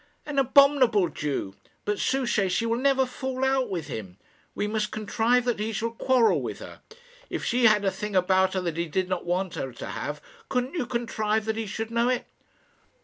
"An abominable Jew! But, Souchey, she will never fall out with him. We must contrive that he shall quarrel with her. If she had a thing about her that he did not want her to have, couldn't you contrive that he should know it?"